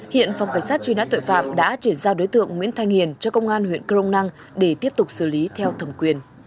hiện phòng cảnh sát truy nã tội phạm đã chuyển giao đối tượng nguyễn thanh hiền cho công an huyện crong năng để tiếp tục xử lý theo thẩm quyền